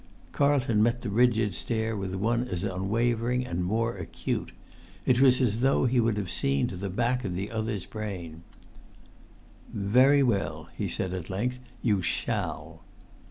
Carlton met the rigid stare with one as unwavering and more acute. It was as though he would have seen to the back of the other's brain. "Very well," he said at length. "You shall!"